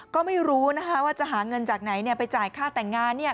ก็ไม่รู้นะคะว่าจะหาเงินจากไหนไปจ่ายค่าแต่งงานเนี่ย